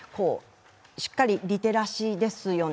しっかりリテラシーですよね。